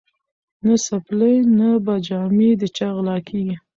نه څپلۍ نه به جامې د چا غلاکیږي